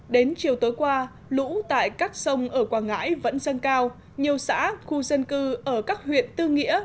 đến chiều tối qua lũ tại các sông ở quảng ngãi vẫn dâng cao nhiều xã khu dân cư ở các huyện tư nghĩa